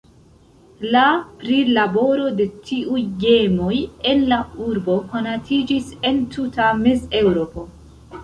La prilaboro de tiuj gemoj en la urbo konatiĝis en tuta Mezeŭropo.